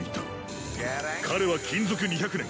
［彼は勤続２００年］